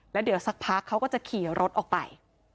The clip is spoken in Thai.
แล้วเดี๋ยวสักพักเขาก็จะขี่รถออกไป